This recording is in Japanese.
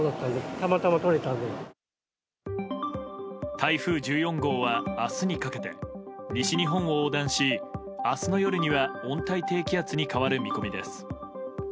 台風１４号は、明日にかけて西日本を横断し明日の夜には温帯低気圧に変わる見込みです。